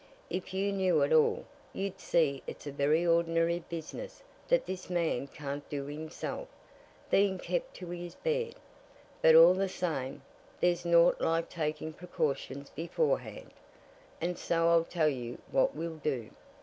"If you knew it all, you'd see it's a very ordinary business that this man can't do himself, being kept to his bed. But all the same, there's naught like taking precautions beforehand, and so I'll tell you what we'll do.